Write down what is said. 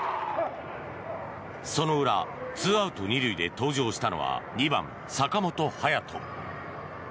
その裏２アウト２塁で登場したのは２番、坂本勇人。